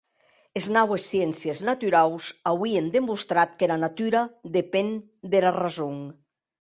Es naues sciéncies naturaus auien demostrat qu'era natura depen dera rason.